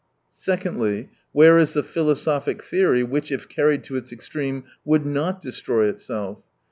Secondly, where is the philosophic theory which, if carried to its extreme, would not destroy itself